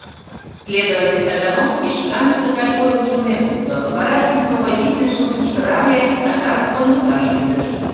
Следователь Тагановский шканже тыгай ойым Шонен лукто, вара письмоводительжым кычкырале, Сакарым кондыкташ шӱдыш.